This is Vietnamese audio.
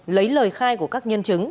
lấy lời khai của các nhân chứng